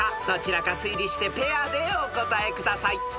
［どちらか推理してペアでお答えください］